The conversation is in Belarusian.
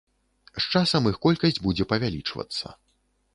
З часам іх колькасць будзе павялічвацца.